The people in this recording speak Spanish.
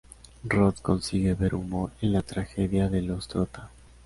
Roth consigue ver humor en la tragedia de los Trotta.